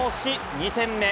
２点目。